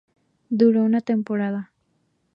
Duró una temporada.